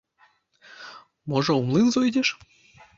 Можа, у млын зойдзеш?